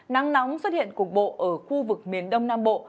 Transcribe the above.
nắng nóng xuất hiện cục bộ ở khu vực miền đông nam bộ